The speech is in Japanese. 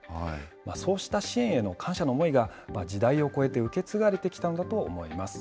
そうした支援への感謝の思いが、時代を超えて受け継がれてきたのだと思います。